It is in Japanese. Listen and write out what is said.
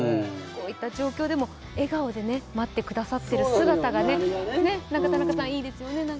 こういった状況でも、笑顔で待ってくださっている姿がいいですよね。